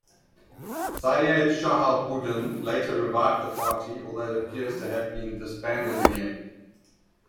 Syed Shahabuddin later revived the party, although it appears to have been disbanded again.